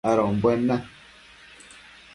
adombuen na